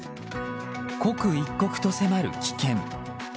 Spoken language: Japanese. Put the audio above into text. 刻一刻と迫る危険。